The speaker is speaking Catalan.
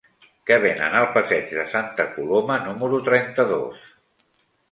Què venen al passeig de Santa Coloma número trenta-dos?